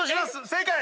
正解！